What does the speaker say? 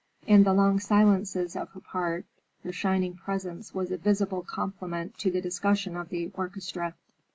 In the long silences of her part, her shining presence was a visible complement to the discussion of the orchestra.